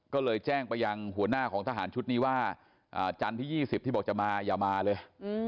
ก็เลยแจ้งไปยังหัวหน้าของทหารชุดนี้ว่าจันทร์ที่๒๐ที่บอกจะมาอย่ามาเลย